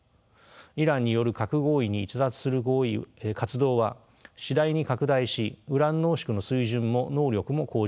イランによる核合意に逸脱する活動は次第に拡大しウラン濃縮の水準も能力も向上しています。